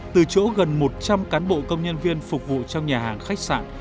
từ chỗ gần một trăm linh cán bộ công nhân viên phục vụ trong nhà hàng khách sạn